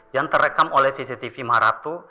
yang terekam oleh cctv marath